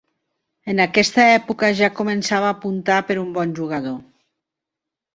En aquesta època ja començava a apuntar per un bon jugador.